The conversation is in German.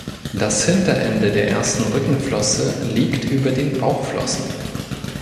Das Hinterende der ersten Rückenflosse liegt über den Bauchflossen.